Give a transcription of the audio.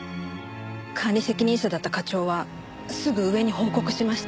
管理責任者だった課長はすぐ上に報告しました。